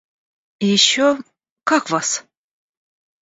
И еще — как вас?!